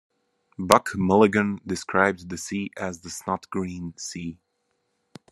Buck Mulligan described the sea as The snotgreen sea.